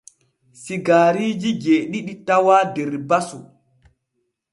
Sigaariiji jeeɗiɗi tawaa der basu.